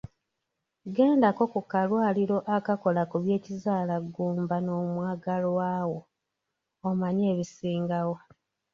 Gendako mu kalwaliro akakola ku by'Ekizaalaggumba n'omwagalwa wo omanye ebisingawo.